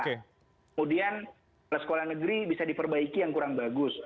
kemudian sekolah negeri bisa diperbaiki yang kurang bagus